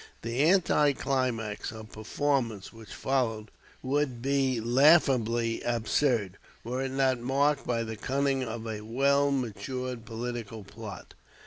The anti climax of performance which followed would be laughably absurd, were it not marked by the cunning of a well matured political plot.